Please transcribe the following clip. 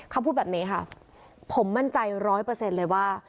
เขาพูดแบบนี้ค่ะผมมั่นใจร้อยเปอร์เซ็นต์เลยว่า